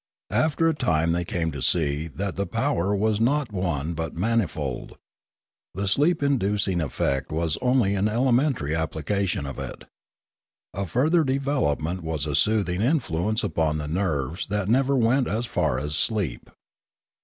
After a time they came to see that the power was not one but manifold; the sleep inducing effect was only an elementary applica tion of it. A further development was a soothing in fluence upon the nerves that never went as far as sleep.